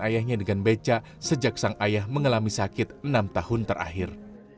ayahnya dengan beca sejak sang ayah mengalami sakit enam tahun terakhir